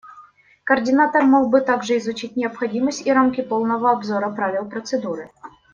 Координатор мог бы также изучить необходимость и рамки полного обзора правил процедуры.